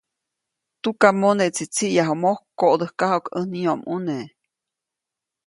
Tukamoneʼtsi tsiʼyaju mojk koʼdäjkajuʼk ʼäj nyomʼune.